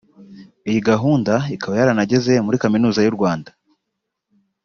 Iyi gahunda ikaba yaranageze muri kaminuza y’u Rwanda